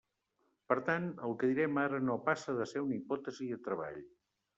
Per tant, el que direm ara no passa de ser una hipòtesi de treball.